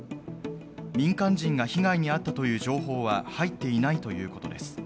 民間人が被害に遭ったという情報は入っていないということです。